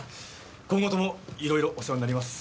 今後ともいろいろお世話になります。